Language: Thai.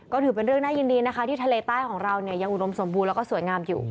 ก็ถือเป็นเรื่องน่ายินดีนะคะที่ทะเลใต้ของเราเนี่ยยังอุดมสมบูรณแล้วก็สวยงามอยู่